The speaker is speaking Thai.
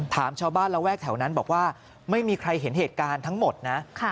ถามชาวบ้านระแวกแถวนั้นบอกว่าไม่มีใครเห็นเหตุการณ์ทั้งหมดนะ